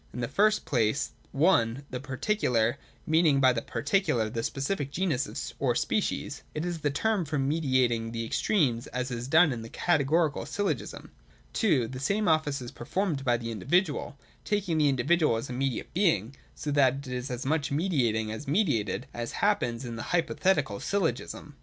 In the first place (i) the Particular, meaning by the particular the specific genus or species, is the term for mediating the extremes — as is done in the Categorical syllogism. (2) The same office is per formed by the Individual, taking the individual as immediate being, so that it is as much mediating as mediated :— as happens in the Hypothetical syllogism.